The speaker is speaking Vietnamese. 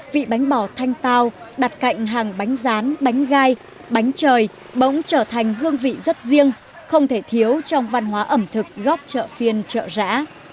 vị bánh bò thanh tao đặt cạnh hàng bánh rán bánh gai bánh trời bỗng trở thành hương vị rất riêng không thể thiếu trong văn hóa ẩm thực góc chợ phiên chợ rã